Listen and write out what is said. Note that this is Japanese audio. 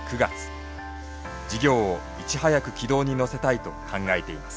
事業をいち早く軌道に乗せたいと考えています。